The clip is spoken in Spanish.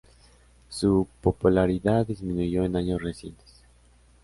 Su popularidad disminuyó en años recientes.